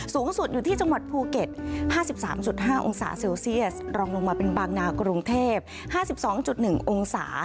สูงสุดอยู่ที่จังหวัดภูเก็ต๕๓๕องศาเซลเซียสรองลงมาเป็นบางนากรุงเทพ๕๒๑องศา